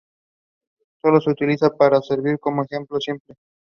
Sólo se utiliza para servir como ejemplo simple.